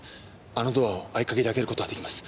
あのドアを合鍵で開ける事は出来ます。